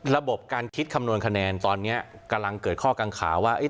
ระบบการคิดคำนวณคะแนนตอนนี้กำลังเกิดข้อกังขาว่า